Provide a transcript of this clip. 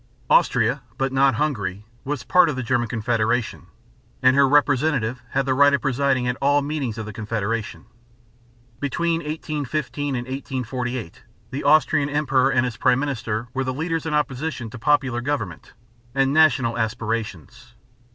Austria (but not Hungary) was part of the German Confederation, and her representative had the right of presiding at all meetings of the confederation. Between 1815 and 1848 the Austrian emperor and his Prime minister were the leaders in opposition to popular government and national aspirations.